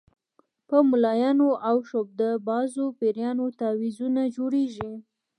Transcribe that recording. په ملایانو او شعبده بازو پیرانو تعویضونه جوړېږي.